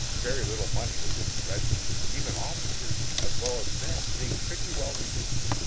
Very little money was in the regiment, even officers as well as men being pretty well reduced.